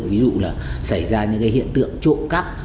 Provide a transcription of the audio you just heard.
ví dụ là xảy ra những cái hiện tượng trộm cắp